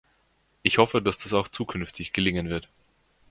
Ich hoffe, dass uns das auch zukünftig gelingen wird!